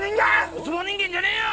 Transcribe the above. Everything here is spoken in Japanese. ウツボ人間じゃねえよ！